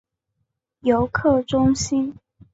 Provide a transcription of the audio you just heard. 游客中心